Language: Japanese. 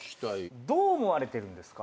どう思われてるんですか？